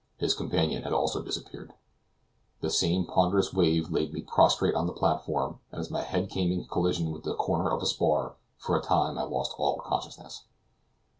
His companion had also disappeared. The same ponderous wave laid me prostrate on the platform, and as my head came in collision with the corner of a spar, for a time I lost all consciousness.